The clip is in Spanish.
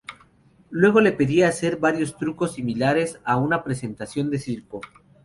Luego le pedía hacer varios trucos, similares a una presentación de circo.